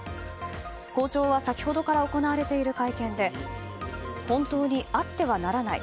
校長は先ほど行われている会見で本当にあってはならない。